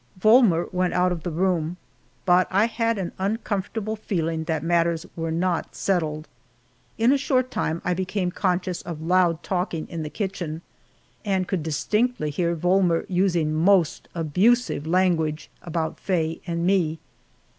Volmer went out of the room, but I had an uncomfortable feeling that matters were not settled. In a short time I became conscious of loud talking in the kitchen, and could distinctly hear Volmer using most abusive language about Faye and me.